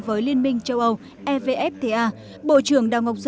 với liên minh châu âu evfta